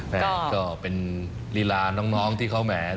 ก็เป็นลีลาน้องที่เขาแหม